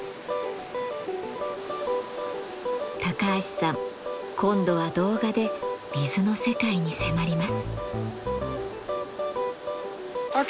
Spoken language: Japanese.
高橋さん今度は動画で水の世界に迫ります。